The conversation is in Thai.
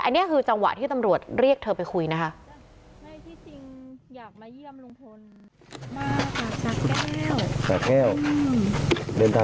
อันนี้คือจังหวะที่ตำรวจเรียกเธอไปคุยนะคะ